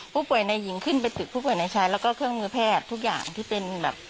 ผู้ป่วยในหญิงขึ้นไปติดผู้ป่วยในชายแล้วก็เครื่องมือแพทย์ทุกอย่างที่เป็นแบบ